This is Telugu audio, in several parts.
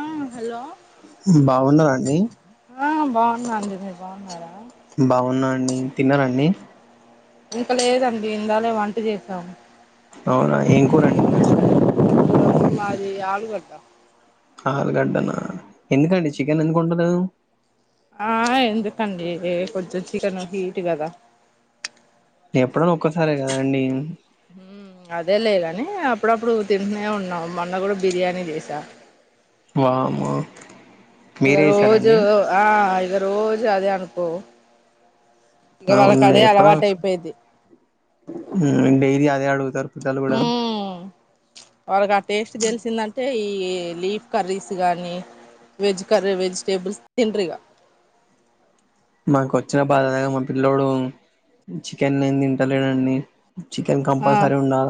ఆ హలో ఉమ్ బావున్నరా అండి ఆ బావున్నా అండి మీరు బావున్నారా బావున్నా అండి తిన్నరా అండి ఇంక లేదండి ఇందాలే వంట చేసాం అవునా ఏం కూరండి మాది ఆలుగడ్డ ఆలుగడ్డ నా ఎందుకండి చికెన్ ఎందుకు వండలేదు ఆ ఎందుకండి [unintelligible] చికెను హీటు కదా ఎప్పుడన్నా ఒక్కసారే కదండి [inaudible] ఉమ్ అదేలే గానీ అప్పుడప్పుడూ తింటూనే ఉన్నాం మొన్న గూడా బిర్యానీ చేశా వామ్మో ఇగ మీరే రోజూ చేసారండి ఆల్ గ రోజూ అదే అనుకో ఇగ వాళ్ళకి అవునులే అదే ఎప్పనా అలవాటు అయిపోయిద్ది ఊ అంటే ఇది ఆ దే అడుగుతారు పిల్లలు కూడా ఊ వాళ్ళకు ఆ టేస్టు తెలిసిందంటే ఈ లీఫ్ కర్రీస్ గానీ వెజ్ కర్రే వెజిటేబుల్స్ తిన్రు ఇగ మాకు వచ్చిన బాధ [unintelligible] మా పిల్లోడు చికెన్ ఏం తింటలేడండి చికెన్ ఆ కంపల్సరీ ఉండాల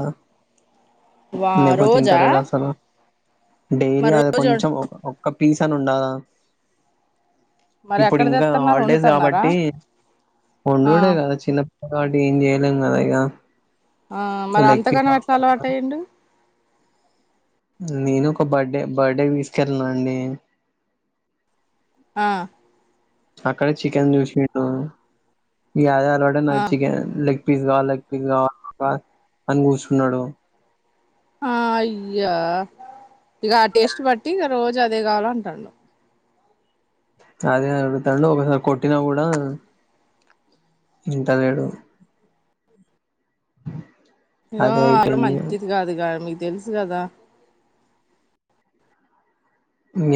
వా రోజా అసలు డైలీ మరి అది రోజు కొంచెం ఒక ఒక్క పీస్ అను ఉండాల మరెక్కడ తెత్తన్నారు ఒండు కాబట్టి వండుడే కదా చిన్నప్పటి ఏం ఏం కాలేదు గా ఆ మరి అంతగానం ఎట్లా అలవాటయ్యిండు నేను ఒక బర్డే బర్డే తీసుకెళ్ళనా అండి ఆ అక్కడ చికెన్ చూసిండు ఆ [inaudible] chicken like pizza like pizza అని కూర్చున్నాడు ఆ అయ్యా ఇక ఆ టెస్టు బట్టి ఇక రోజు అదే కావాల అంటాన్నా అదే అడుగుతాండు ఒకసారి కొట్టినా కూడా ఇంట లేడు ఇక అదే అవిడ అయిపోయింది మంచిది కాదు కా తెలుసు కదా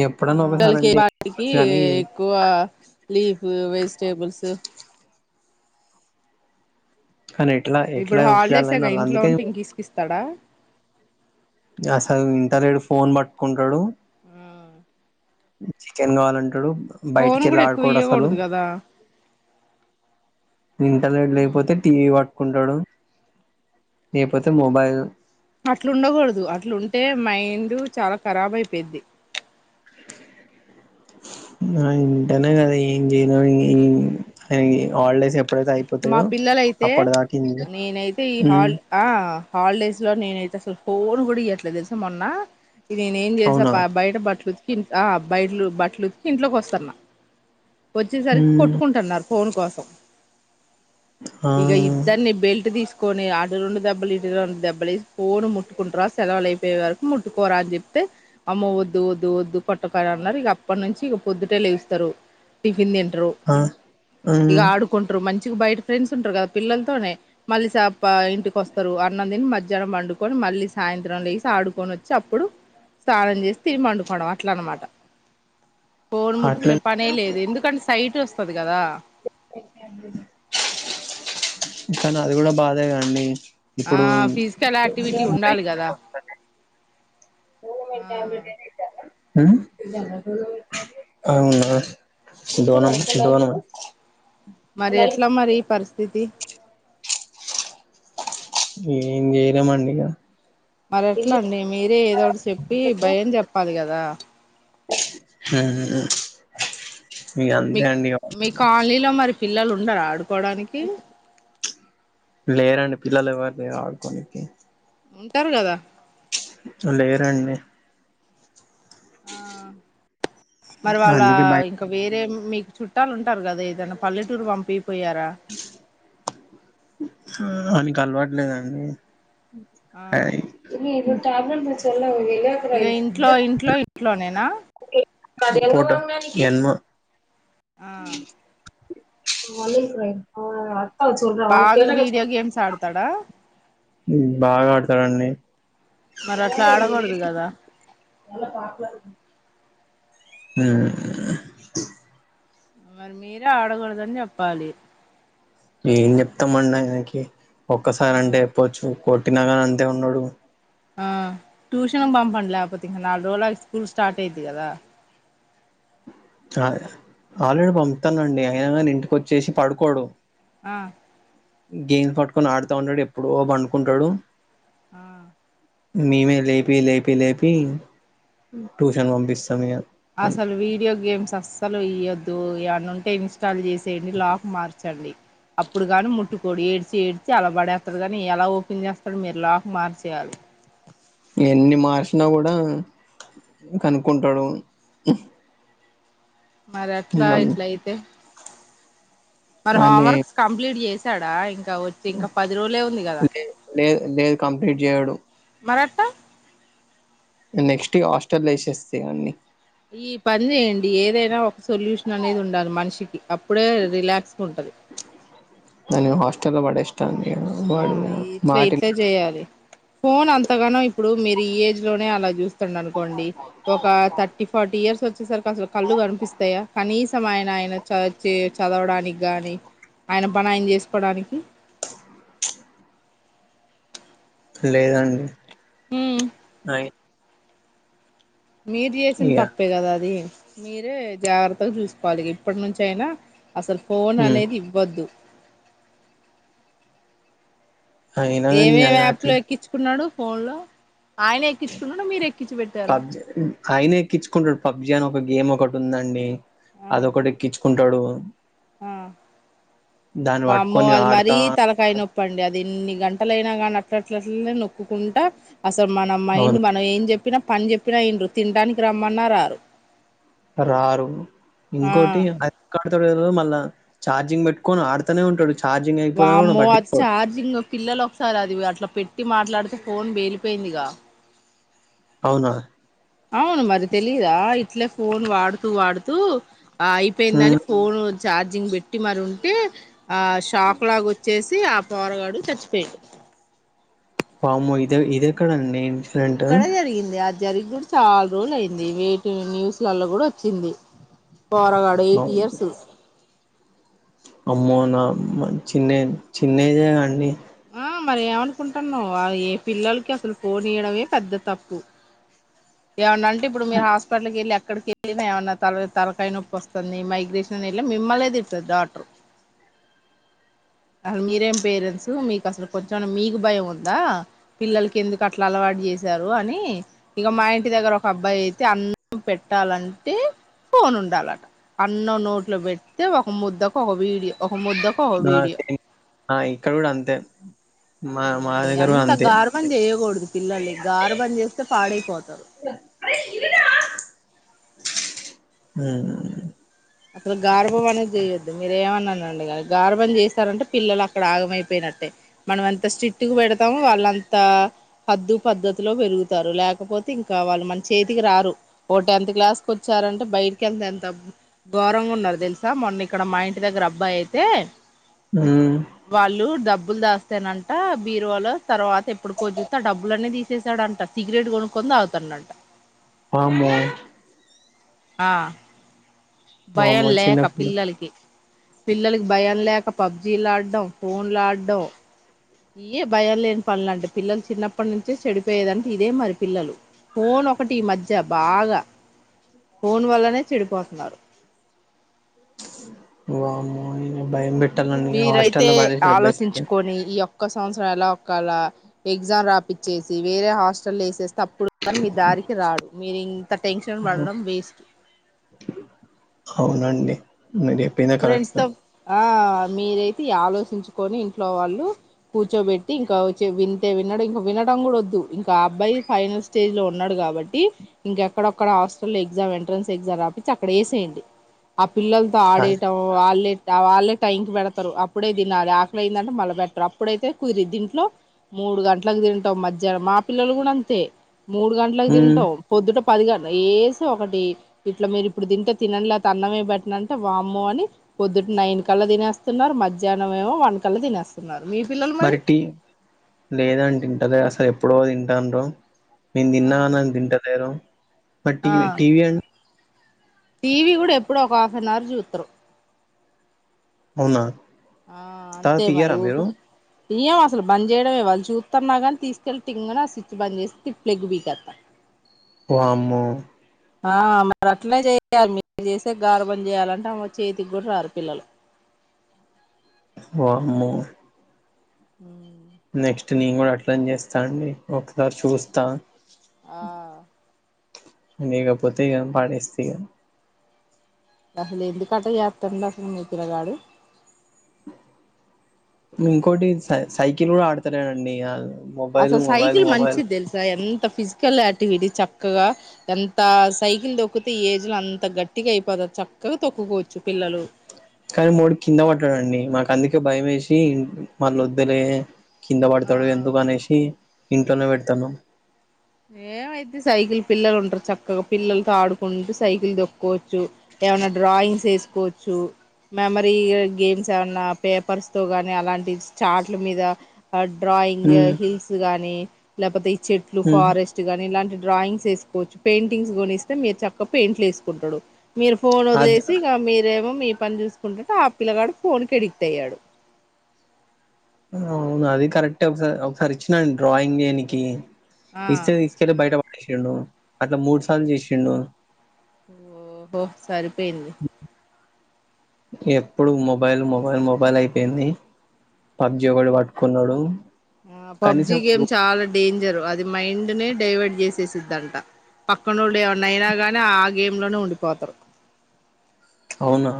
ఎప్పుడన్నా ఒకసారి లకి అంటే వాటికి ఇవ్వచ్చు కానీ ఎక్కువ లీవ్ వేస్ట్ టేబుల్స్ కానీ ఎట్లా ఎట్లా ఇప్పుడు ఒప్పియాలని హాలిడేసేగా నాకు ఇంట్లో అందుకే ఉంటే ఇంక ఇసుకిస్తాడా అసలు ఇంటలేడు ఫోన్ పట్టుకుంటాడు చికెన్ కావాలంటాడు బయటికి ఫోన్ వెళ్ళి కూడా ఎక్కువ ఆడుకోడు అసలు ఇయ్యకూడదు కదా ఇంటర్నెట్ లేకపోతే టీవీ వాట్ కుంటాడు లేకపోతే మొబైల్ మైండు చాలా ఖరాబ్ అయిపోయిది ఆ ఇంటనే కదా ఏం చేయలే ఆయన హాలిడేస్ ఎ మా పిల్లలైతే ఇంతే. నేనైతే ఈ ఉమ్ హాల్ హాలిడేస్ లో నేనైతే అసలు ఫోన్ కూడా ఇయ్యట్లే తెలుసా మొన్న ఇ నేను ఏం చేసా అవునా బయట బట్టలు బయలు బట్టలు ఉతికి ఇంట్లోకి వస్తన్న వచ్చేసరికి ఉమ్ కొట్టుకుంటన్నారు ఫోన్ కోసం ఆ ఇక ఇద్దరిని బెల్ట్ తీసుకు ట్టుకొని అటు రెండు దెబ్బలు ఇటు రెండు దెబ్బలు ఏసీ ఫోన్ ముట్టుకుంటరా సెలవులు అయిపోయే వరకు ముట్టుకోరా అని చెప్తే అమ్మ వద్దు వద్దు వద్దు కొట్టకు అని అన్నారు ఇక అప్పటి నుంచిక పొద్దుటే లేస్తారు టిఫిన్ తింట ఆ ఉమ్ మంచిగ బయట ఫ్రెండ్స్ ఉంటారు కదా పిల్లలతోనే మళ్ళీ ఇంటికోస్తారు అన్నం తిని మధ్య జనం పండుకొని మళ్ళీ సాయంత్రం లేసి, ఆడుకొని వచ్చి అప్పుడు స్నానం చేసి, తిని పండుకోవడం అట్ల అనమాట. పోన్ అట్లే ముట్టుకునే పనే లేదు ఎందుకంటే సైట్ వస్తది కదా కానీ అది కూడా బాధే కదా అండి ఆ ఫిజికల్ యాక్టివిటీ ఉండాలి కదా ఓ ఆ పెట్టి అంలేట్ ఏసేస్తా ఉ అవునా ఇంతవనం ఇంతవనం మరి ఎట్లా మరి ఈ పరిస్థితి ఏం చేయలేమండి మరెట్లాండి మీరే ఏదోటి చెప్పి భయం చెప్పాలి కదా హు ఉ ఉ మీ అంతే అండిఇగ మీ కాలనీలో మరి పిల్లలు ఉండరాడు పోడానికి లేరండి పిల్లలు ఎవరు లేరు ఆడుకోనికి ఉంటారు కదా లేరండి ఆ మరి వాళ్ళ అందుకే బయ ఇంకా వేరే మీకు చుట్టాలు ఉంటారు కదా ఏదైనా పల్లెటూరు పంపి పోయారా ఊ వానికి అలవాటులేదండి ఆ హాయ్ ట్యాబ్లెట్ మచ్చల్లా పోయి ఇక ఇంట్లో ఇంట్లో ఇంట్లోనే నా ఫోటో నో అ ఆ వాళ్ళు న్ బాగా ఫ వీడియో గేమ్స్ ఆడతాడా ఉ బాగా ఆడతాడండి మరి అట్లా ఆడకూడదు కదా ఉ మరి మీరే ఆడకూడదని చెప్పాలి ఏం చెప్తాంమన్న ఇనకి ఒక్కసారి ఆ అంటే చెప్పచ్చు కొట్టిన కాని అంతే ఉన్నాడు ఆ ట్యూషన్ పంపండి లేతేపో ఇంకా నాలుగు రోజులకి స్కూల్ స్టార్ట్ అయిది కదా ఆల్రెడీ పంపుతానండి అయినా కాని ఇంటికి వచ్చేసి పడుకోడు ఆ గేమ్స్ పట్టుకొని ఆడుతా ఉంటాడు ఎప్పుడు పండుకుంటడు ఆ మేమే లేపి లేపి లేపి ట్యూషన్ పంపిస్తాము ఇగ అన్ అసలు వీడియో గేమ్స్ అస్స్ సలు ఇయొద్దు ఎవన్న ఉంటే ఇన్స్టాల్ చేసి చేడి లాక్ మార్చండి అప్పుడు గాను ముట్టు అప్పుడు ఏడ్చి ఏడ్చి అలా పడేస్తడు కానీ ఎలా ఓపెన్ చేస్తాడు మీరు లాక్ మార్చేయాలి ఎన్ని మార్సినా కూడా కనుక్కుంటాడు మరి అట్లా హ్మ్. అన్ ఇట్ల అయితే మరి హోమ్ అని వర్క్స్ కంప్లీట్ చేస్ త్తాడా ఇంగ లే లేదు లేదు కంప్లీట్ చేయడు మరట్లా నెక్స్ట్ ఆస్టల్ ఏసేస్తే అన్ని ఈ పని చేయండి ఏదైనా ఒ సొల్యూషన్ అనేది ఉండాలి మనిషికి అప్పుడే రిలాక్స్ ఉంటది తను హాస్టెల్ లో పడేషీ ఆ వాడిగా ఇట్లా మాటిని ఇట్లే చేయాలి ఫోన్ అంతగానో ఇప్పుడు మీరు ఈ ఏజ్ లోనే అలా చూస్ అనుకోండి ఒక థర్టీ ఫార్టీ ఇయర్స్ వచ్చేసరికి అసలు కళ్ళు కనిపిస్తాయా కానీస్ సం ఆయన ఆయన చ చే చదవడానికి గాని ఆయన పణ ఆయన చేసుకోడానికి లేదండి ఉమ్ అయి మీరు చేసిన ఇగ తప్పే కదా అది మీరే జాగ్రత్తగా చూసుకోవాలి ఇగ ఇప్పటి నుంచఅయినా అసలు ఫోన్ హ్మ్. అనేది ఇవ్వద్దు అయినా గాని ఏమేం ఆయన యాప్ లో ఎక్కించుకున్నాడు ఫోన్ లో ఆయన ఎక్కించుకున్నాడు మీరు ఎక్కించి పెట్టారా పబ్జ అయినే ఎక్కిచ్చుకున్నాడు పబ్జి విజయాన్ ఒక గేమ్ ఒకటి ఉందండి ఆ అదొకటి ఎక్కిచ్చుకుంటాడు ఆ వమ్మో పట్టుకొని అది మారి ఆడతా తలకాయ నొప్ప తప్పండి అది ఎన్ని గంటల అయినా కానీ అట్లట్లట్ల నొక్కుకుంటా అసలు మన మైండ్ అవును మనం ఏం చెప్ చెప్పిన పని చెప్పినా యిన్రు తినడానికి రమ్మన్న రారు రారు ఆ ఇంకోటి అధ త మళ్ళా చార్జింగ్ పెట్టుకొని ఆడుతనే ఉంటాడు ఛార్జింగ్ అయిపోదా కూడా వామో అది పట్టించుకోడు చఛార్జింగ్ పిల్లలు ఒకసారి అది అట్లా పెట్ పట్టి మాట్లాడితే ఫోన్ వేలిపోయిందిగా అవునా అవును మరి తెలీదా ఇట్లే ఫోన్ వాడుతూ వాడుతూ ఆ ఉమ్ అయిపోయిందని ఫోన్ చార్జింగ్ పెట్టి మరి ఉంటే ఆ షాక్ లాగా వచ్చేసి ఆ పొరగాడు చచ్చిపోయాడు వామో ఇద ఇది ఎక్కడండి నేను ఈక్కడే జరిగింది అది జరిగి కూడా చాలా రోజు అయింది వేటి న్యూస్లలో కూడా వచ్చింది పోరగాడు ఎయిట్ ఇయర్సు అమ్మో నా చిన్న చిన్నఏజ్ అండి ఆ మర ఏమనుకుంటున్నావె ఏ పిల్లలకి అసలు ఫోన్ ఇయడమే పెద్ద తప్పు ఏమన్నంటె ఇప్పుడు మీరు హాస్పిటల్కి వెళ్ళి అ క్కడికెళ్ళినా ఏమన్నా త తలకాయ నొప్పి వస్తుంది మైగ్రేషన్ వెళ్ళి మిమ్మల్లే తిస్తుంది డాటారు అసలు మీరేం పేరెంట్స్ మీకు అసలు కొంచెమ మీకు భయం ఉందా పిల్లలకి ఎందుకు అట్లా అలవాటు చేసారు అని ఇగ మా ఇంటి దగ్గర ఒక అబ్బాయి అయితే అన్నం పెట్టాలంటే ఫోన్ ఉండాలట అన్నం నోట్లో పెడితే ఒక ముద్దకు ఒక వీడియో ఒక ముద్దకు ఒక నా వీడియో ఆ ఇక్కడకూడా అంతే మా మీ మా దగ్గర కూడా అంత అంతే గార్భం చేయకూడదు పిల్లల్లి గార్భం చేస్తే పాడైపోతారు ఊ అసలు గార్భం అనేది చేయొద్దు మీరేమన్నానండి కానీ గార్భం చేస్తారంటే పిల్లలు అక్కడ ఆగమైపోయినట్టే మనం ఎంత స్ట్రిక్ట్గా పెడతా వాళ్ళంత హద్దు పద్ధతిలో పెరుగుతారు లేకపోతే ఇంకా వాళ్ళు మన చేతికి రారు ఓ టెన్త్ క్లాస్కి వచ్చారంటే బయటికెంత ఎంత ఘరంగా ఉన్నారు తెలుసా మొన్న ఇక్కడ మా ఇంటి దగ్గర అబ్బాయి అయితే ఉమ్ వాళ్ళు దబ్బ బ్బులు దాస్తానంట బీరువాలో తర్వాత ఎప్పుడుకో చూస్తా డబ్బులన్నీ తీసేసాడు అంటా సిగరెట్ కొనుక్కొని తాగుతాండంట వామ్మో ఆ భయం వామ్మో లేక చిన్నపిల్ల పిల్లలకి పిల్లలకి భయం లేక పబ్జీలా ఆడ్డం ఫోన్ లాడ్డం ఇఎ భయం లేని పనుల అంటే పిల్లలు చిన్నప్పటి నుంచే చెడిపోయేదంటే ఇదే మరి పిల్లలు ఫోన్ ఒకటి ఈ మధ్య బాగా ఫోన్ వల్లనే చెడిపోతున్నారు వామో ఇ భయం పె మీరైతే ఆలోచించుకొని ఈ యొ ఒక్క సంవత్సరం ఎలా ఒకేళ ఎగ్జామ్ రాపిచ్చేసి వేరే హాస్టల్ వేసేసి తప్పుడు కానీ మీ దారికి రాడు మీరుం అవునండి మీరు చెప్పిందే ఫ్రెండ్స్ కరెక్ట్ తో మీరైతే ఆలోచించుకొని ఇంట్లో వాళ్ళు కూర్చోబెట్టి ఇంకా వ వింటే విన్నాడు ఇంకా వినడం కూడా వద్దు ఇంకా అబ్బాయి ఫైనల్ స్టేజ్ లో ఉన్నాడు కాబట్టి ఇంకెక్కడక్కడ హాస్టల్ ఎగ్జామ్ ఎంట్రన్స్ ఎగ్జామ్ రాపిచ్చి అక్కడేయండి పిల్లలతో ఆడే అది వాళ్ళే వాళ్ళే టైం కి పెడతారు అప్పుడే తినాలి ఆకలి అయిందంటే మళ్ళా బెట్టరు అప్పుడైతే కుదిరి దీంట్లో మూడు గంటలకు తింటాం మధ్యాహ్నం మా పిల్లలు కూడా అంతే మూడు గంటలకు ఉమ్ తింటాం పొద్దుట పదిగాంట వేసి ఒకటి ఇట్లా మీరు ఇప్పుడు తింటే తినండి లేకపోతే అన్నమే పెట్టను అంటే వా అమ్మో అని పొద్దుటి నైన్ కళ్ళ తినేస్తున్నారు మధ్యాహ్నం ఏమో వన్ కళ్ళ తినేస్తున్నారు మీ పిల్లలు మరి టీ లేదంటే ఇంటలే అసలు ఎప్పుడు ఎప్పుడో తింటారు నేను ఆ తిన్నాని తింటలేరు మట్ ఆ టీవ టీవీ అండి టీవీ కూడా ఎప్పుడో ఒక హాఫ్ అన్ అవర్ చూస్తారు అవునా ఆ అంతే తర్వాత మరి ఇయ్యరా ఊకు మీరు ఇయ్యాం అసలు బంద్ చేయడం ఇవ్వాల చూస్తున్నా కానీ తీసుకెళ్లి తింగన ఆ స్విచ్ బంద్ చేసి ప్లగ్ పీకస్త వామ్మో ఆ మరి అట్లనే చేయ్యాలి మీరు చేసే గారు పని చేయాలంటే చేతికి కూడా రారు పిల్లలు వామ్మో ఉ నెక్స్ట్ నేను కూడా అట్లని చేస్తా అండి ఒకసారి చూస్తా ఆ ఇయ్యకపోతే పడేస్తా ఇగా అసలు ఎందుకట చేస్తాండు అసలు మీ పిల్లగాడు ఇంకోటి సై సైకిల్ కూడా ఆడతలేడండి వాు అసల్ సైకిల్ మంచిదెల్సా ఎంత అంత ఫిజికల్ యాక్టివిటీ చక్కగా ఎంత సైకిల్ తొక్కితే ఏజ్ లో అంత గట్టిగా అయిపోతు చక్కగా తొక్కుకోవచ్చు పిల్లలు కానీ మా వోడు కింద పడ్డడండి మాకు అందుకే భయం వేసి మళ్ళ వద్దలే కింద పడతాడు ఆ ఎందుకు అనేసి ఇంట్లోనే పెడతాను ఏమైద్ది సైకిల్ పిల్లలు ఉంటారు చక్కగా పిల్లలతో ఆడుకుంటూ సైకిల్ దొక్కోవచ్చు ఏమన్నా డ్రాయింగ్స్ వేసుకోవచ్చు మెమరీ గేమ్స్ ఏమైన్నా పేపర్స్ తో గాని అలాంటి చాట్ల మీద డ్రాయింగ్ హ్మ్ హిల్స్ గానీ ఇలాపోతే ఈ చెట్ హ్మ్ ఫారెస్ట్ గాని ఇలాంటి డ్రాయింగ్స్ వేసుకోవచ్చు పెయింటింగ్స్ కొనిస్తే మీరు చక్కగా పెయింట్లు వేసుకుంటాడు మీరు ఫోన్ అది వదిలేసి ఇక మీరేమో మీ పని చూసుకుంటా ఆ పిల్లగాడు ఫోన్ కి అడిక్ట్ అయ్యాడు అవును అది కరెక్టే ఒకసారి ఒకసారి ఇచ్చినండి డ్రాయింగ్ చేయనికి ఆ ఇస్తే తీసుకెళ్లి బయట చేసిండు అట్లా మూడు సార్లు చేసిండు ఓహో సరిపోయింది ఎప్పుడు మొబైల్ మొబైల్ మొబైల్ అయిపోయింది పబ్జి ఒకటి పట్టుకున్నాడు ఆ పబ్జి కనీసం గేమ్ చాలా డేంజరు అది మైండ్ ని డైవర్ట్ చేసేసిద్దంట పక్కనోళ్ళు ఏవనయినా గాని ఆ గేమ్ లోనే ఉండిపోతారు అవునా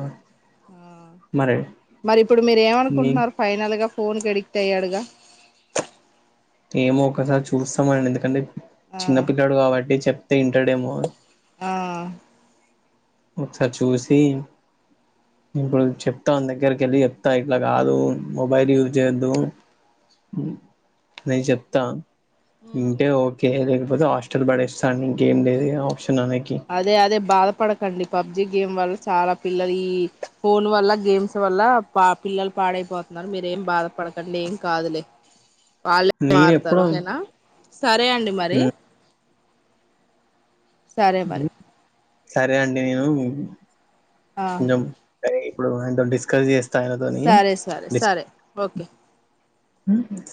ఉమ్ మరి మరి ఇప్పుడు మీరు నీ ఏమనుకుంటున్నారు ఫైనల్ గా ఫోన్ కి ఎడిక్ట్ అయ్యాడుగా ఏమో ఒకసారి చూస్తామనండి ఎందుకంటే ఆ చిన్న పిల్లడు కాబట్టి చెప్ ఇంటడేమో ఆ ఒకసారి చూసి ఇప్పుడు చెప్తా దగ్గరికి వెళ్ళి చెప్తా ఇట్లా కాదు మొబైల్ యూజ్ చేయొద్దు ఉమ్ అని చెప్తా ఇంటే ఓకే కాకపోతే హాస్టల్ పడేస్తాను ఇంకేం లేదు ఇగ ఆప్షన్ ఆమెకి అదే అదే బాధపడ కండి పబ్జీ గేమ్ వల్ల చాలా పిల్లలు ఈ ఫోన్ వల్ల గేమ్స్ వల్ల పా పిల్లలు పాడైపోతున్నారు మీరేం బాధపడకండి ఏం కాదులే వాళ్ళ నేను మారుతారు ఎప్పుడో ఓకేనా సరే అండి మరి సరే మరి సరే అండి నేను ఆ ఉన్ జం సరే ఇప్పుడు డిస్కస్ చేస్తా ఆయనతోని సరే సరే డిస్ సరే ఓకే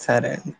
సరే అండి